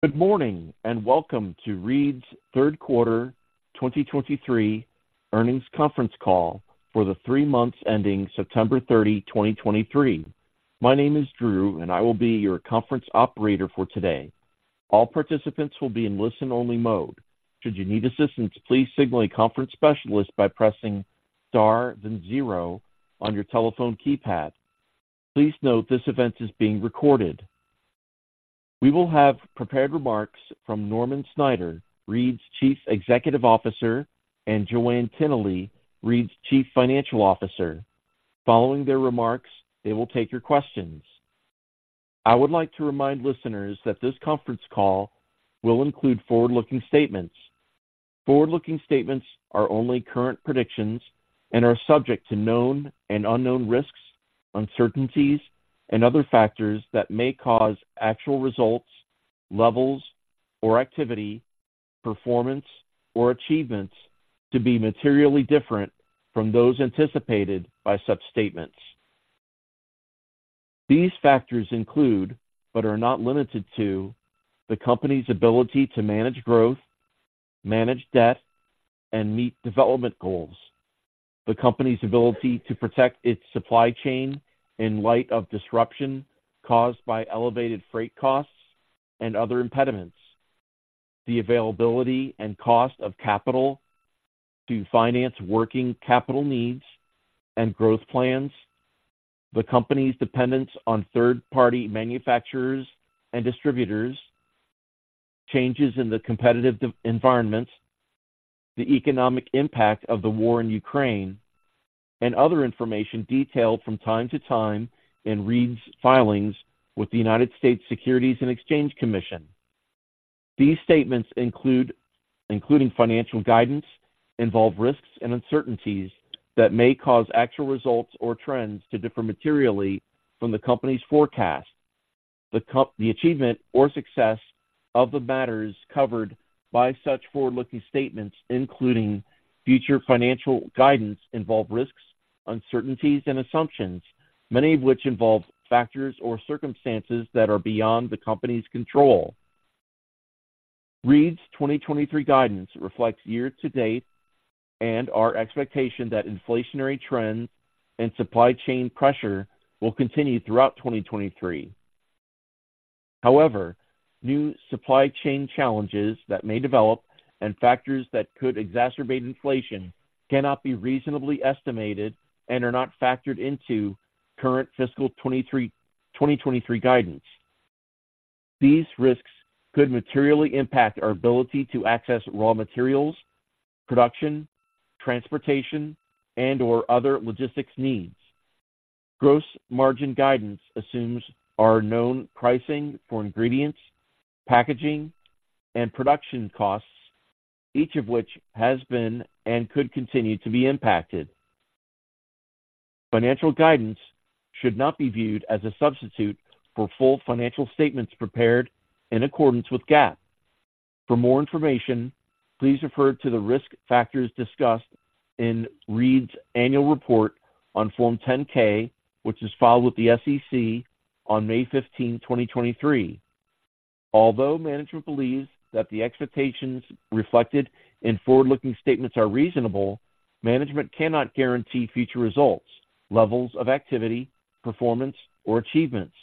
Good morning, and welcome to Reed's Third Quarter 2023 Earnings Conference Call for the three months ending September 30, 2023. My name is Drew, and I will be your conference operator for today. All participants will be in listen-only mode. Should you need assistance, please signal a conference specialist by pressing Star, then zero on your telephone keypad. Please note this event is being recorded. We will have prepared remarks from Norman Snyder, Reed's Chief Executive Officer, and Joann Tinnelly, Reed's Chief Financial Officer. Following their remarks, they will take your questions. I would like to remind listeners that this conference call will include forward-looking statements. Forward-looking statements are only current predictions and are subject to known and unknown risks, uncertainties, and other factors that may cause actual results, levels or activity, performance, or achievements to be materially different from those anticipated by such statements. These factors include, but are not limited to, the company's ability to manage growth, manage debt, and meet development goals, the company's ability to protect its supply chain in light of disruption caused by elevated freight costs and other impediments, the availability and cost of capital to finance working capital needs and growth plans, the company's dependence on third-party manufacturers and distributors, changes in the competitive environments, the economic impact of the war in Ukraine, and other information detailed from time to time in Reed's filings with the United States Securities and Exchange Commission. These statements include, including financial guidance, involve risks and uncertainties that may cause actual results or trends to differ materially from the company's forecast. The achievement or success of the matters covered by such forward-looking statements, including future financial guidance, involve risks, uncertainties, and assumptions, many of which involve factors or circumstances that are beyond the company's control. Reed's 2023 guidance reflects year to date and our expectation that inflationary trends and supply chain pressure will continue throughout 2023. However, new supply chain challenges that may develop and factors that could exacerbate inflation cannot be reasonably estimated and are not factored into current fiscal 2023, 2023 guidance. These risks could materially impact our ability to access raw materials, production, transportation, and/or other logistics needs. Gross margin guidance assumes our known pricing for ingredients, packaging, and production costs, each of which has been and could continue to be impacted. Financial guidance should not be viewed as a substitute for full financial statements prepared in accordance with GAAP. For more information, please refer to the risk factors discussed in Reed's annual report on Form 10-K, which is filed with the SEC on May 15, 2023. Although management believes that the expectations reflected in forward-looking statements are reasonable, management cannot guarantee future results, levels of activity, performance, or achievements.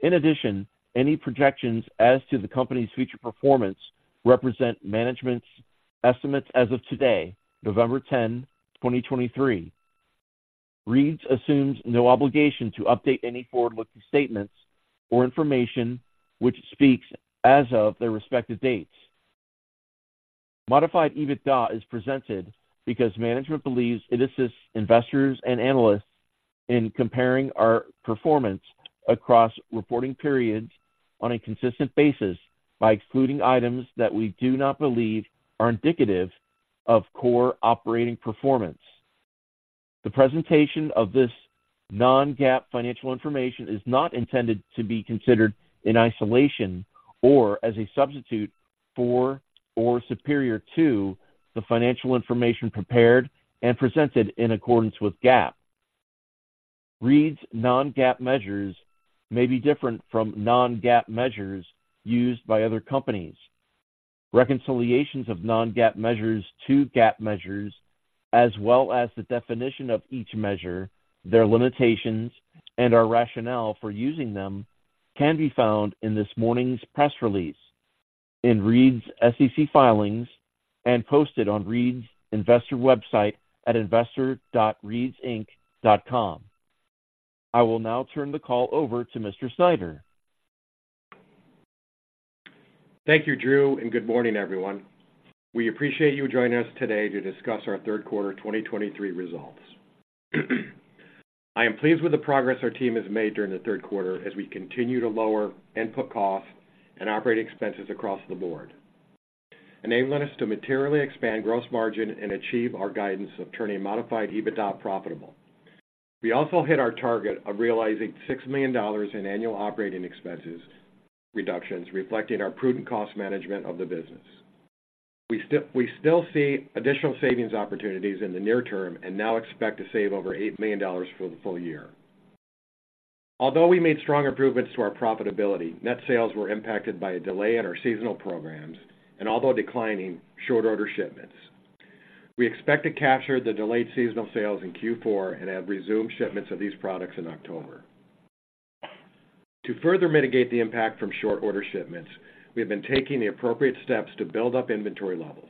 In addition, any projections as to the company's future performance represent management's estimates as of today, November 10, 2023. Reed's assumes no obligation to update any forward-looking statements or information which speaks as of their respective dates. Modified EBITDA is presented because management believes it assists investors and analysts in comparing our performance across reporting periods on a consistent basis by excluding items that we do not believe are indicative of core operating performance. The presentation of this non-GAAP financial information is not intended to be considered in isolation or as a substitute for or superior to the financial information prepared and presented in accordance with GAAP. Reed's non-GAAP measures may be different from non-GAAP measures used by other companies. Reconciliations of non-GAAP measures to GAAP measures, as well as the definition of each measure, their limitations, and our rationale for using them, can be found in this morning's press release, in Reed's SEC filings, and posted on Reed's investor website at investor.reedsinc.com. I will now turn the call over to Mr. Snyder. Thank you, Drew, and good morning, everyone. We appreciate you joining us today to discuss our third quarter 2023 results. I am pleased with the progress our team has made during the third quarter as we continue to lower input costs and operating expenses across the board, enabling us to materially expand gross margin and achieve our guidance of turning Modified EBITDA profitable. We also hit our target of realizing $6 million in annual operating expenses reductions, reflecting our prudent cost management of the business. We still, we still see additional savings opportunities in the near term and now expect to save over $8 million for the full year.... Although we made strong improvements to our profitability, net sales were impacted by a delay in our seasonal programs and, although declining, short order shipments. We expect to capture the delayed seasonal sales in Q4 and have resumed shipments of these products in October. To further mitigate the impact from short order shipments, we have been taking the appropriate steps to build up inventory levels.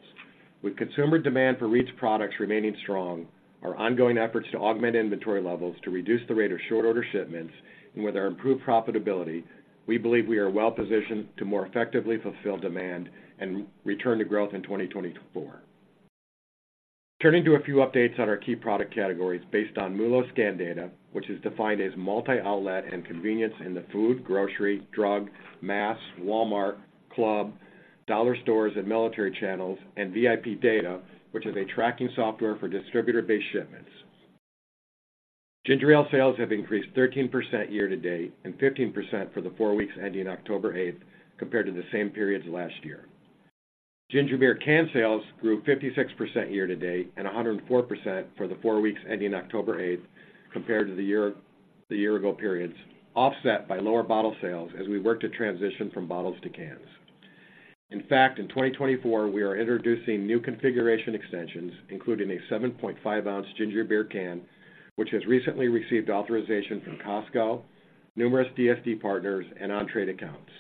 With consumer demand for Reed's products remaining strong, our ongoing efforts to augment inventory levels to reduce the rate of short order shipments, and with our improved profitability, we believe we are well positioned to more effectively fulfill demand and return to growth in 2024. Turning to a few updates on our key product categories based on MULO scan data, which is defined as multi-outlet and convenience in the food, grocery, drug, mass, Walmart, club, dollar stores, and military channels, and VIP data, which is a tracking software for distributor-based shipments. Ginger Ale sales have increased 13% year to date and 15% for the four weeks ending October eighth, compared to the same periods last year. Ginger beer can sales grew 56% year to date and 104% for the four weeks ending October eighth compared to the year-ago periods, offset by lower bottle sales as we worked to transition from bottles to cans. In fact, in 2024, we are introducing new configuration extensions, including a 7.5-ounce ginger beer can, which has recently received authorization from Costco, numerous DSD partners, and on-trade accounts.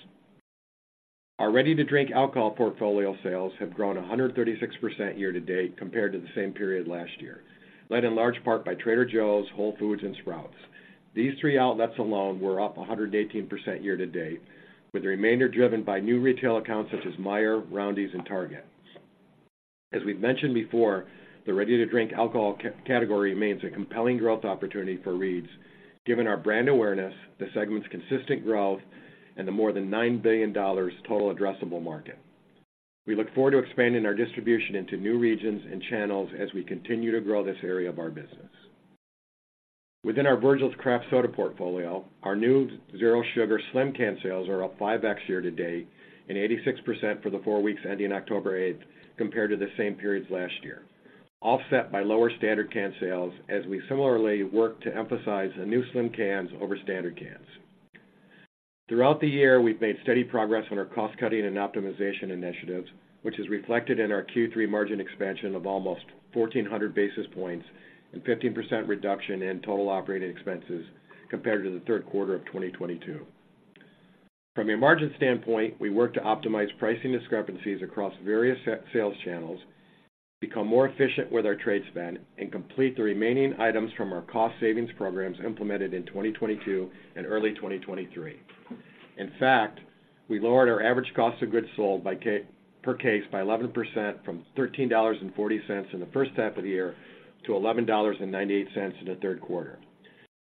Our ready-to-drink alcohol portfolio sales have grown 136% year to date compared to the same period last year, led in large part by Trader Joe's, Whole Foods, and Sprouts. These three outlets alone were up 118% year to date, with the remainder driven by new retail accounts such as Meijer, Roundy's, and Target. As we've mentioned before, the ready-to-drink alcohol category remains a compelling growth opportunity for Reed's, given our brand awareness, the segment's consistent growth, and the more than $9 billion total addressable market. We look forward to expanding our distribution into new regions and channels as we continue to grow this area of our business. Within our Virgil's craft soda portfolio, our new Zero Sugar slim can sales are up 5x year to date and 86% for the four weeks ending October 8 compared to the same periods last year, offset by lower standard can sales, as we similarly work to emphasize the new slim cans over standard cans. Throughout the year, we've made steady progress on our cost-cutting and optimization initiatives, which is reflected in our Q3 margin expansion of almost 1,400 basis points and 15% reduction in total operating expenses compared to the third quarter of 2022. From a margin standpoint, we worked to optimize pricing discrepancies across various sales channels, become more efficient with our trade spend, and complete the remaining items from our cost savings programs implemented in 2022 and early 2023. In fact, we lowered our average cost of goods sold per case by 11% from $13.40 in the first half of the year to $11.98 in the third quarter.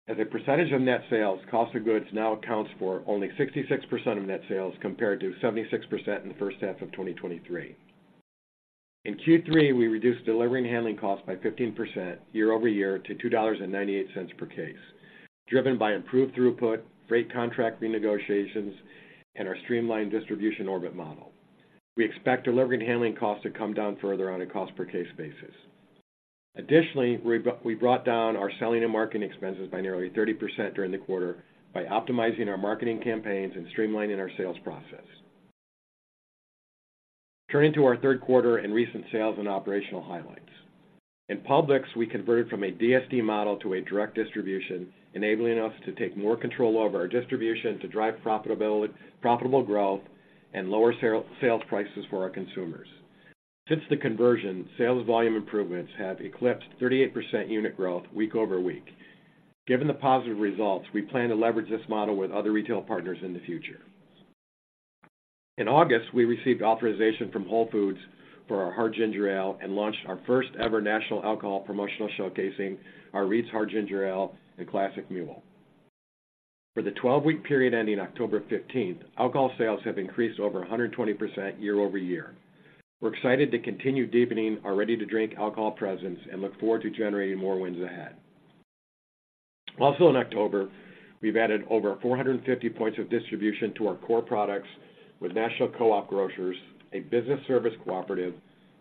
As a percentage of net sales, cost of goods now accounts for only 66% of net sales, compared to 76% in the first half of 2023. In Q3, we reduced delivery and handling costs by 15% year-over-year to $2.98 per case, driven by improved throughput, rate contract renegotiations, and our streamlined distribution orbit model. We expect delivery and handling costs to come down further on a cost per case basis. Additionally, we brought down our selling and marketing expenses by nearly 30% during the quarter by optimizing our marketing campaigns and streamlining our sales process. Turning to our third quarter and recent sales and operational highlights. In Publix, we converted from a DSD model to a direct distribution, enabling us to take more control over our distribution to drive profitability, profitable growth and lower sales prices for our consumers. Since the conversion, sales volume improvements have eclipsed 38% unit growth week-over-week. Given the positive results, we plan to leverage this model with other retail partners in the future. In August, we received authorization from Whole Foods for our Hard Ginger Ale and launched our first ever national alcohol promotion showcasing our Reed's Hard Ginger Ale and Classic Mule. For the 12-week period ending October fifteenth, alcohol sales have increased over 120% year-over-year. We're excited to continue deepening our ready-to-drink alcohol presence and look forward to generating more wins ahead. Also in October, we've added over 450 points of distribution to our core products with National Co+op Grocers, a business service cooperative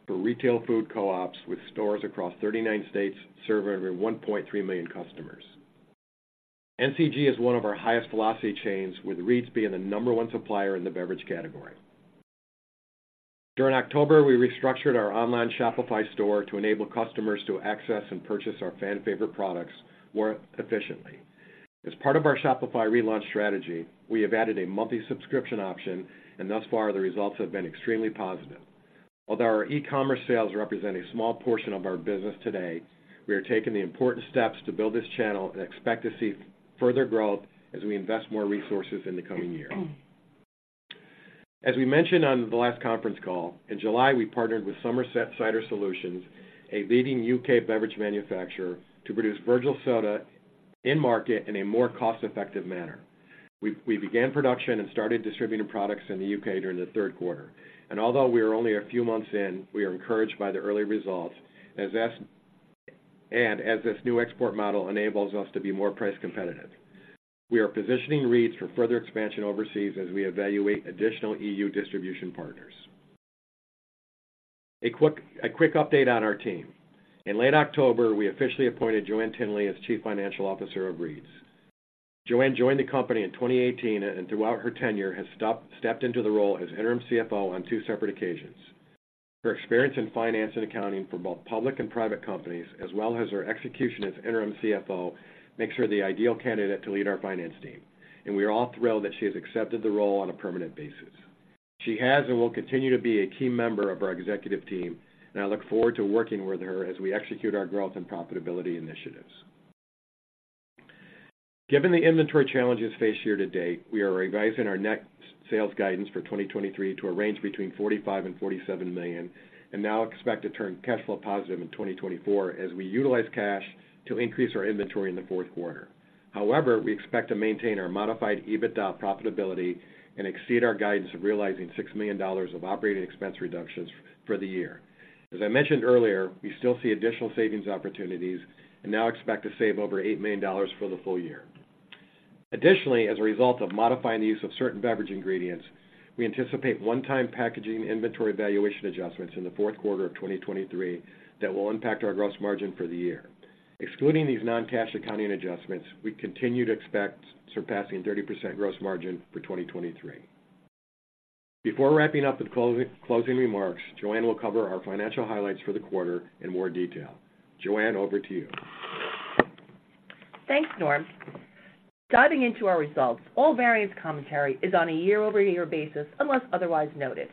for retail food co-ops with stores across 39 states, serving over 1.3 million customers. NCG is one of our highest velocity chains, with Reed's being the number one supplier in the beverage category. During October, we restructured our online Shopify store to enable customers to access and purchase our fan favorite products more efficiently. As part of our Shopify relaunch strategy, we have added a monthly subscription option, and thus far, the results have been extremely positive. Although our e-commerce sales represent a small portion of our business today, we are taking the important steps to build this channel and expect to see further growth as we invest more resources in the coming year. As we mentioned on the last conference call, in July, we partnered with Somerset Cider Solutions, a leading U.K. beverage manufacturer, to produce Virgil's Soda in market in a more cost-effective manner. We began production and started distributing products in the U.K. during the third quarter. And although we are only a few months in, we are encouraged by the early results, and as this new export model enables us to be more price competitive. We are positioning Reed's for further expansion overseas as we evaluate additional EU distribution partners.... A quick update on our team. In late October, we officially appointed Joann Tinnelly as Chief Financial Officer of Reed's. Joann joined the company in 2018, and throughout her tenure has stepped into the role as interim CFO on two separate occasions. Her experience in finance and accounting for both public and private companies, as well as her execution as interim CFO, makes her the ideal candidate to lead our finance team, and we are all thrilled that she has accepted the role on a permanent basis. She has, and will continue to be a key member of our executive team, and I look forward to working with her as we execute our growth and profitability initiatives. Given the inventory challenges faced year to date, we are revising our net sales guidance for 2023 to a range between $45 million and $47 million, and now expect to turn cash flow positive in 2024 as we utilize cash to increase our inventory in the fourth quarter. However, we expect to maintain our Modified EBITDA profitability and exceed our guidance of realizing $6 million of operating expense reductions for the year. As I mentioned earlier, we still see additional savings opportunities and now expect to save over $8 million for the full year. Additionally, as a result of modifying the use of certain beverage ingredients, we anticipate one-time packaging inventory valuation adjustments in the fourth quarter of 2023 that will impact our gross margin for the year. Excluding these non-cash accounting adjustments, we continue to expect surpassing 30% gross margin for 2023. Before wrapping up with closing, closing remarks, Joann will cover our financial highlights for the quarter in more detail. Joann, over to you. Thanks, Norm. Diving into our results, all variance commentary is on a year-over-year basis, unless otherwise noted.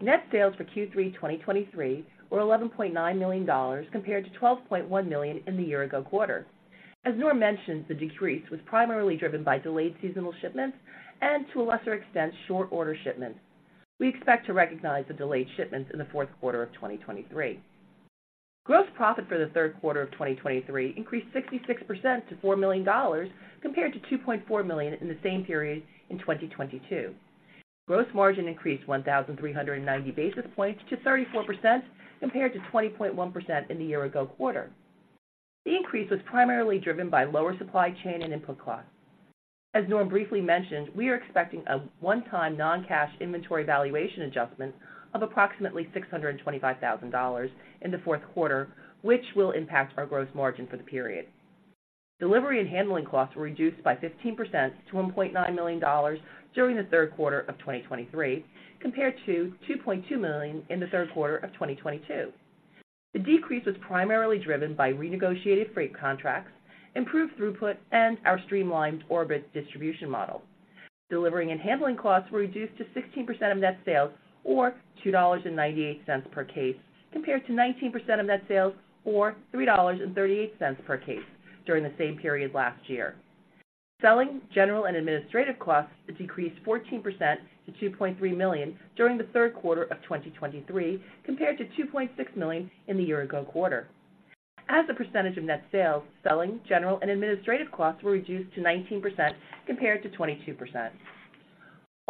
Net sales for Q3 2023 were $11.9 million compared to $12.1 million in the year ago quarter. As Norm mentioned, the decrease was primarily driven by delayed seasonal shipments and, to a lesser extent, short order shipments. We expect to recognize the delayed shipments in the fourth quarter of 2023. Gross profit for the third quarter of 2023 increased 66% to $4 million, compared to $2.4 million in the same period in 2022. Gross margin increased 1,390 basis points to 34%, compared to 20.1% in the year ago quarter. The increase was primarily driven by lower supply chain and input costs. As Norm briefly mentioned, we are expecting a one-time non-cash inventory valuation adjustment of approximately $625,000 in the fourth quarter, which will impact our gross margin for the period. Delivery and handling costs were reduced by 15% to $1.9 million during the third quarter of 2023, compared to $2.2 million in the third quarter of 2022. The decrease was primarily driven by renegotiated freight contracts, improved throughput, and our streamlined DSD distribution model. Delivery and handling costs were reduced to 16% of net sales, or $2.98 per case, compared to 19% of net sales or $3.38 per case during the same period last year. Selling, general, and administrative costs decreased 14% to $2.3 million during the third quarter of 2023, compared to $2.6 million in the year-ago quarter. As a percentage of net sales, selling, general, and administrative costs were reduced to 19% compared to 22%.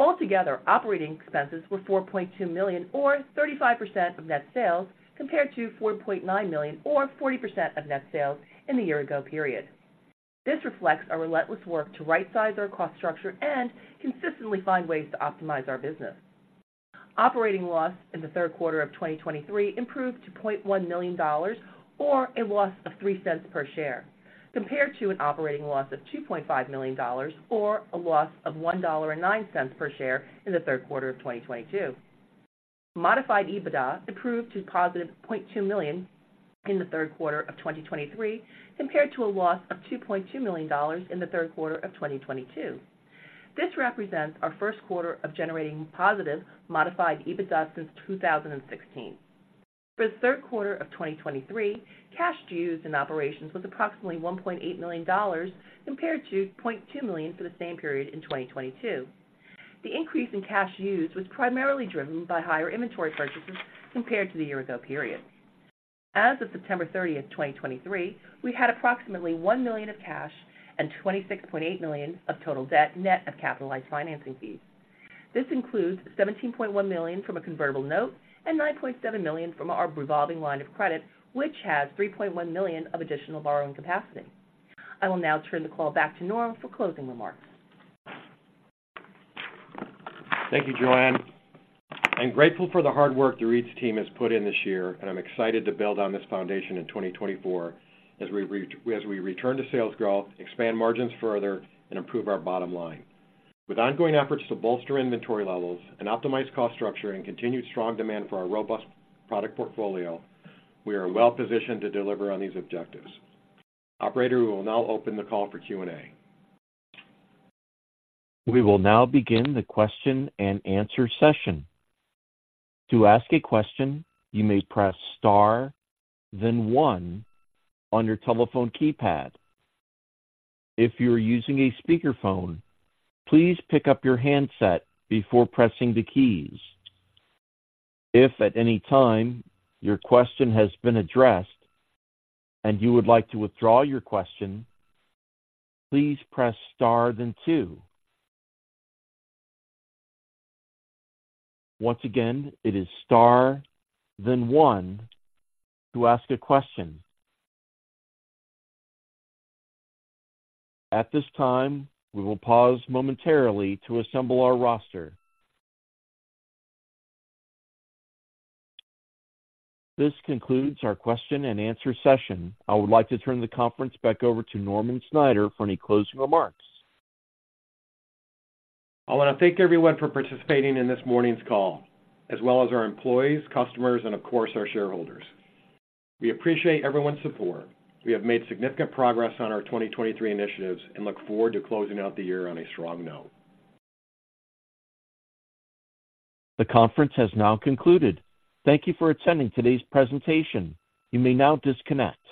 Altogether, operating expenses were $4.2 million, or 35% of net sales, compared to $4.9 million or 40% of net sales in the year-ago period. This reflects our relentless work to right-size our cost structure and consistently find ways to optimize our business. Operating loss in the third quarter of 2023 improved to $0.1 million, or a loss of $0.03 per share, compared to an operating loss of $2.5 million, or a loss of $1.09 per share in the third quarter of 2022. Modified EBITDA improved to positive $0.2 million in the third quarter of 2023, compared to a loss of $2.2 million in the third quarter of 2022. This represents our first quarter of generating positive Modified EBITDA since 2016. For the third quarter of 2023, cash used in operations was approximately $1.8 million, compared to $0.2 million for the same period in 2022. The increase in cash used was primarily driven by higher inventory purchases compared to the year ago period. As of September 30, 2023, we had approximately $1 million of cash and $26.8 million of total debt, net of capitalized financing fees. This includes $17.1 million from a convertible note and $9.7 million from our revolving line of credit, which has $3.1 million of additional borrowing capacity. I will now turn the call back to Norm for closing remarks. Thank you, Joann. I'm grateful for the hard work the Reed's team has put in this year, and I'm excited to build on this foundation in 2024 as we return to sales growth, expand margins further, and improve our bottom line. With ongoing efforts to bolster inventory levels and optimize cost structure and continued strong demand for our robust product portfolio, we are well positioned to deliver on these objectives. Operator, we will now open the call for Q&A. We will now begin the question and answer session. To ask a question, you may press star then one on your telephone keypad. If you are using a speakerphone, please pick up your handset before pressing the keys. If at any time your question has been addressed and you would like to withdraw your question, please press star, then two. Once again, it is star, then one to ask a question. At this time, we will pause momentarily to assemble our roster. This concludes our question and answer session. I would like to turn the conference back over to Norman Snyder for any closing remarks. I want to thank everyone for participating in this morning's call, as well as our employees, customers, and of course, our shareholders. We appreciate everyone's support. We have made significant progress on our 2023 initiatives and look forward to closing out the year on a strong note. The conference has now concluded. Thank you for attending today's presentation. You may now disconnect.